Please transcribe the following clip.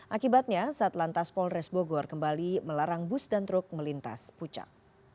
akibatnya saat lantas polres bogor kembali melarang bus dan truk melintas puncak